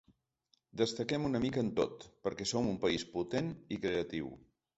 Destaquem una mica en tot, perquè som un país potent i creatiu.